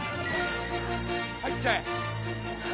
入っちゃえ。